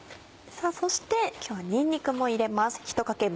そして今日はにんにくも入れます。